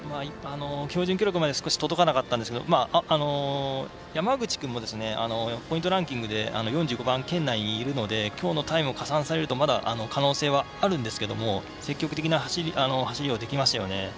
標準記録に少し届かなかったんですけど山口君も、ポイントランキングで４５番圏内にいるのできょうのタイム加算されるとまだ可能性はあるんですが積極的な走りができましたよね。